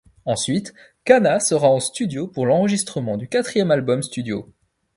Ensuite, Kana sera en studio pour l'enregistrement du quatrième album studio.